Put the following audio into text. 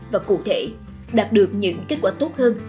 và cụ thể đạt được những kết quả tốt hơn